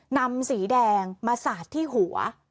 นำสีแดงมาสาดที่หัว